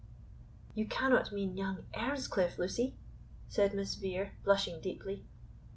"You cannot mean young Earnscliff, Lucy?" said Miss Vere, blushing deeply.